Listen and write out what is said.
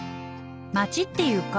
町っていうか